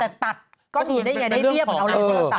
แต่ตัดก็ดีได้ไงดีเบี้ยหม่อเอาในเสื้อตา